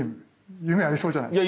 夢ありそうじゃないですか？